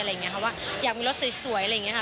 เพราะว่าอยากมีรถสวยอะไรอย่างนี้ค่ะ